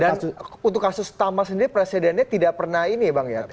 dan untuk kasus tama sendiri presidennya tidak pernah ini ya bang ya